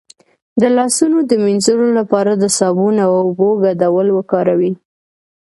د لاسونو د مینځلو لپاره د صابون او اوبو ګډول وکاروئ